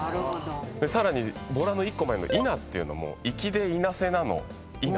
さらにボラの１個前のイナっていうのも粋でいなせなのいな。